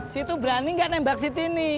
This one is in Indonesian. si itu berani gak nembak si tini